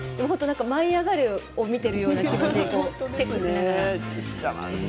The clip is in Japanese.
「舞いあがれ！」を見ているような気持ちチェックしながら。